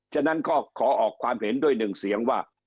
ฉะนั้นก็ขอออกความเห็นด้วยหนึ่งเสียงว่า